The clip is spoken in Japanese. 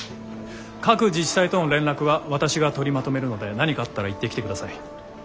各自治体との連絡は私が取りまとめるので何かあったら言ってきてください。